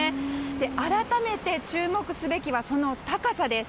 改めて注目すべきはその高さです。